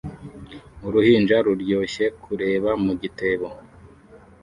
Uruhinja ruryoshye rureba mu gitebo